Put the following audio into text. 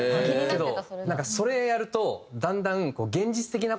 けどそれをやるとだんだん。